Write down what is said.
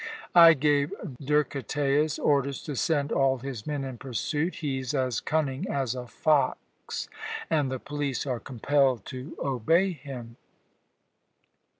I gave Derketæus orders to send all his men in pursuit. He's as cunning as a fox, and the police are compelled to obey him."